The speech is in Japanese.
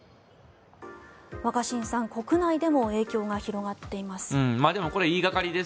若新さん国内でも影響が広がっています。